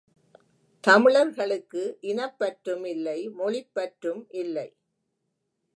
தமிழர்களுக்கு இனப்பற்றும் இல்லை மொழிப் பற்றும் இல்லை.